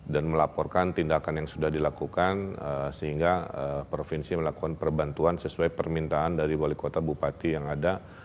dan melaporkan tindakan yang sudah dilakukan sehingga provinsi melakukan perbantuan sesuai permintaan dari wali kota bupati yang ada